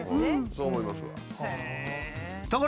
そう思います。